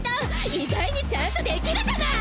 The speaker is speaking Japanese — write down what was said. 意外にちゃんと出来るじゃない！